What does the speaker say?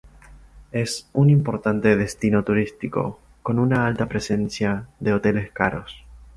Es un importante destino turístico, con una alta presencia de hoteles caros.